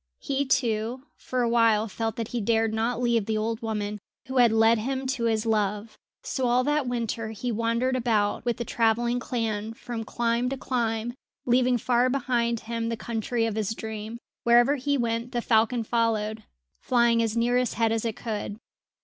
He, too, for a while felt that he dared not leave the old woman who had led him to his love; so all that winter he wandered about with the travelling clan, from clime to clime, leaving far behind him the country of his dream. Wherever he went the falcon followed, flying as near his head as it could.